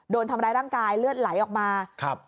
โดนทำร้ายร่างกายเลือดไหลออกมาครับ